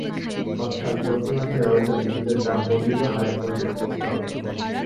অর্থাৎ চলতি মাসে ব্যবহূত বিদ্যুতের দাম বর্ধিত হারে পরিশোধ করতে হবে।